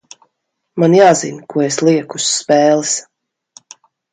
Man jāzina, ko es lieku uz spēles.